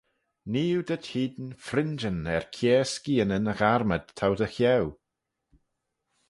Nee oo dhyt hene fringeyn er kiare skianyn y gharmad t'ou dy cheau.